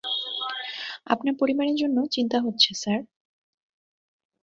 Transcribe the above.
আপনার পরিবারের জন্য চিন্তা হচ্ছে, স্যার।